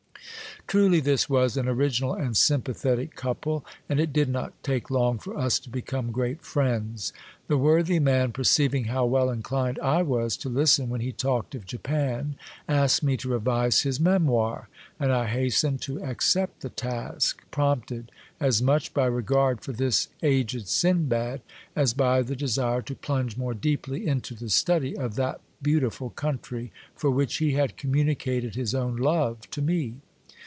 Truly this was an original and sympathetic couple, and it did not take long for us to become great friends. The worthy man, perceiving how well inclined I was to listen when he talked of Japan, asked me to revise his Memoir, and I hastened to accept the task, prompted as much by regard for this aged Sinbad as by the desire to plunge more deeply into the study of that beautiful country, for which he had communicated his own love to me.